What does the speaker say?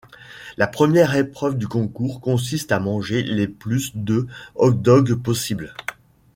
La première épreuve du concours consiste à manger les plus de hot-dogs possible.